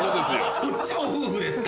そっちも夫婦ですか。